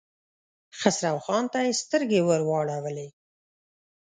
خسرو خان ته يې سترګې ور واړولې.